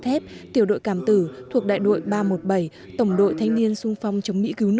thép tiểu đội cảm tử thuộc đại đội ba trăm một mươi bảy tổng đội thanh niên sung phong